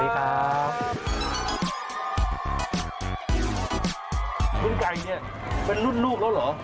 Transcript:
รุ่นไกยเป็นรุ่นลูกแล้วเหรอ